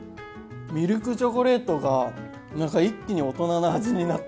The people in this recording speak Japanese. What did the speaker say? ミルクチョコレートが何か一気に大人な味になった。